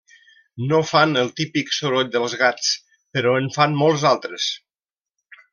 No fan el típic soroll dels gats però en fan molts altres.